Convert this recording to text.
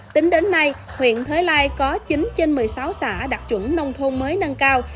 tính đến nay huyện thới lai có chín trên một mươi sáu xã đạt chuẩn nông thôn mới nâng cao